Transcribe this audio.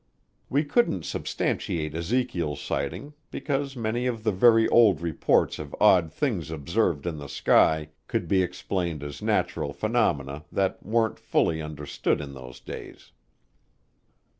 We couldn't substantiate Ezekiel's sighting because many of the very old reports of odd things observed in the sky could be explained as natural phenomena that weren't fully understood in those days.